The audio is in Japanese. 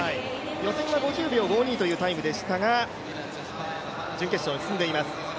予選は５０秒５２というタイムでしたが準決勝に進んでいます。